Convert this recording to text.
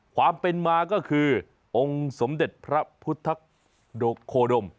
ความเป็นมาก็คือองค์สมเด็จพระพุทธโคดม